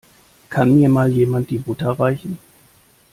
Kann mir mal jemand die Butter reichen?